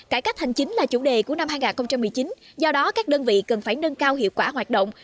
cải cách hành chính là chủ đề của năm hai nghìn một mươi chín do đó các đơn vị cần phải nâng cao hiệu quả hoạt động